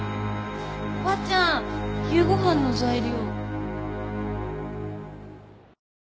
おばあちゃん夕ご飯の材料。